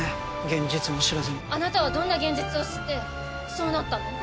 現実も知らずにあなたはどんな現実を知ってそうなったの？